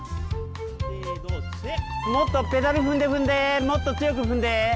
もっとペダル踏んで踏んでもっと強く踏んで。